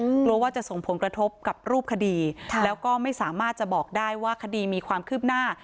กลัวว่าจะส่งผลกระทบกับรูปคดีค่ะแล้วก็ไม่สามารถจะบอกได้ว่าคดีมีความคืบหน้า